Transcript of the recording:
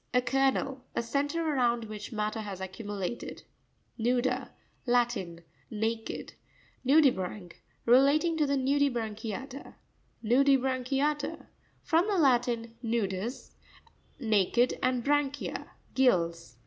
— A kernel. A centre around which matter has accumu lated. Nou'pa.—Latin. Naked. Nv'pisrancu.—Relating to the Nu dibranchiata. No'pisrancuia'TaA.—From the Latin, nudus, naked, and branchia, gills.